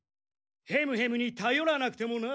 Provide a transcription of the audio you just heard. ヘムヘムにたよらなくてもな！